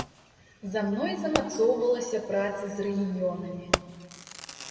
За мной замацоўвалася праца з рэгіёнамі.